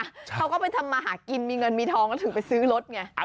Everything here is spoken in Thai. เขาก็ไปทำมาหากินมีเงินมีทองก็ถึงไปซื้อรถไง